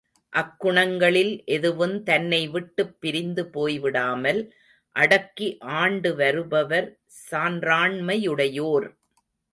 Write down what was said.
அக் குணங்களில் எதுவுந் தன்னை விட்டுப் பிரிந்து போய்விடாமல் அடக்கி ஆண்டு வருபவர் சான்றாண்மையுடையோர்.